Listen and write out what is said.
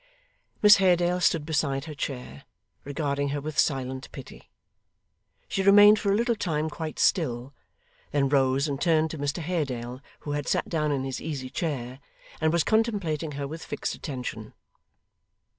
Miss Haredale stood beside her chair, regarding her with silent pity. She remained for a little time quite still; then rose and turned to Mr Haredale, who had sat down in his easy chair, and was contemplating her with fixed attention.